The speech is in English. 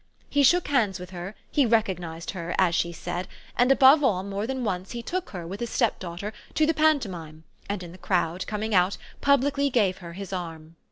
He shook hands with her, he recognised her, as she said, and above all, more than once, he took her, with his stepdaughter, to the pantomime and, in the crowd, coming out, publicly gave her his arm.